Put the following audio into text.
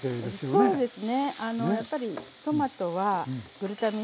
そうですね。